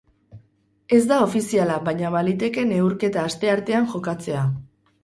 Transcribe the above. Ez da ofiziala baina baliteke neurketa asteartean jokatzea.